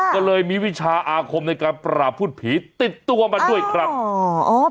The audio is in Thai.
ก็เลยมีวิชาอาคมในการปราบพูดผีติดตัวมาด้วยครับอ๋ออ๋อ